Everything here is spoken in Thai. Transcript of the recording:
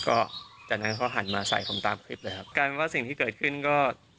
ก็จากนั้นเขาหันมาใส่ผมตามคลิปเลยครับกลายเป็นว่าสิ่งที่เกิดขึ้นก็